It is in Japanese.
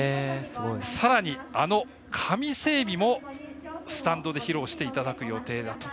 さらに、あの神整備もスタンドで披露していただく予定だと。